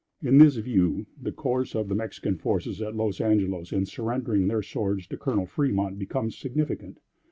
In this view the course of the Mexican forces at Los Angelos in surrendering their swords to Colonel Fremont becomes significant.